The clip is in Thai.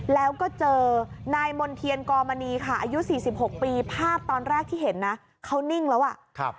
แล้วก็เจอนายมณ์เทียนกรมณีค่ะอายุ๔๖ปีภาพตอนแรกที่เห็นนะเขานิ่งแล้วอ่ะ